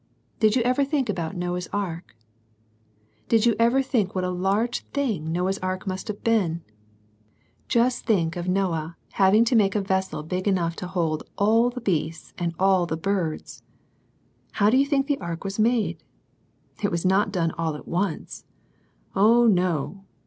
Did you ever think about Noah's Ark? Did you ever think what a large thing Noah's Ark must have been ? Just think of Noah having to make a vessel big enough to hold aH the beasts and aU the birds. How do you think the ark was made? It was not done all at once. Oh, no!